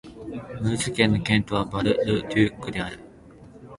ムーズ県の県都はバル＝ル＝デュックである